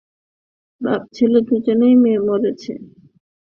বাপ-ছেলে দুজনেই মরেছে।